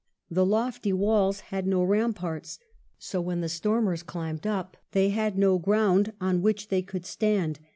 The lofty walls had no ramparts, so that when ihe atormers climbed up they had no ground on which they could stand.